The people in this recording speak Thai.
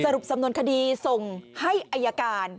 รุปสำนวนคดีส่งให้อายการ